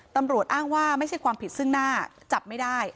ตำรวจอ้างว่าไม่ใช่ความผิดซึ่งหน้าจับไม่ได้